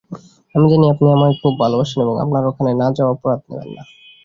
আমি জানি আপনি আমায় খুবই ভালবাসেন এবং আপনার ওখানে না যাওয়ার অপরাধ নেবেন না।